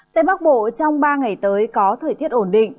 tây bắc bộ trong ba ngày tới có thời tiết ổn định